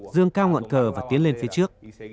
dương cao ngọn cờ và tiến lên phía trước